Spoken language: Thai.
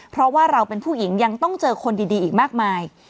เพราะว่าเราเป็นผู้หญิงยังต้องเจอคนดีอีกมากมาย